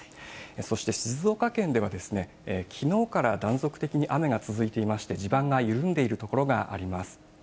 そして静岡県ではきのうから断続的に雨が続いていまして、地盤が緩んでいる所があります。